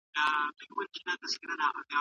آیا د کلي په لوی باغ کې مڼې او زردالو شته؟